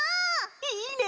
いいね！